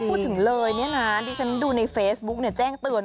พูดถึงเลยเนี่ยนะที่ฉันดูในเฟซบุ๊กเนี่ยแจ้งเตือน